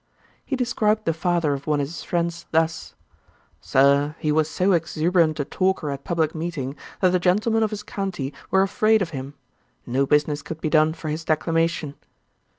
He described the father of one of his friends thus: 'Sir, he was so exuberant a talker at publick meeting, that the gentlemen of his county were afraid of him. No business could be done for his declamation.'